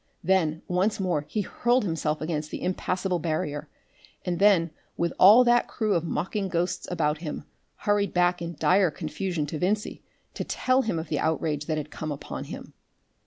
Then once more he hurled himself against the impassable barrier, and then with all that crew of mocking ghosts about him, hurried back in dire confusion to Vincey to tell him of the outrage that had come upon him.